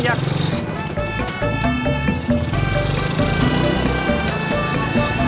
iya pak wardi